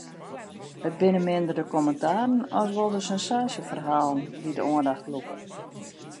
It binne minder de kommentaren as wol de sensaasjeferhalen dy't de oandacht lûke.